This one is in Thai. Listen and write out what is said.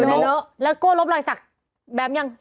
แล้วโก้ลบรอยสักแบมยัง